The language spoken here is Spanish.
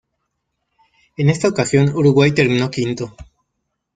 En esta ocasión Uruguay terminó quinto.